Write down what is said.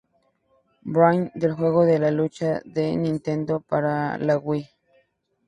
Brawl del juego de la lucha de Nintendo, para la Wii.